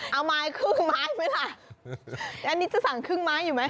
เอาไม้ครึ่งไม้ไหมล่ะแล้วนี่จะสั่งครึ่งไม้อยู่ไหม